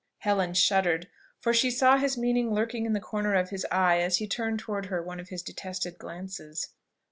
Helen shuddered, for she saw his meaning lurking in the corner of his eye as he turned towards her one of his detested glances.